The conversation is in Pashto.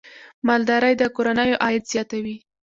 مالدارۍ د کورنیو عاید زیاتوي.